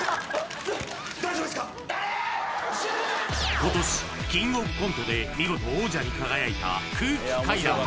今年、「キングオブコント」で見事王者に輝いた空気階段。